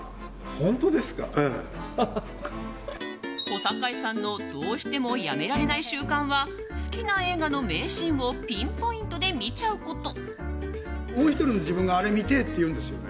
小堺さんのどうしてもやめられない習慣は好きな映画の名シーンをピンポイントで見ちゃうこと。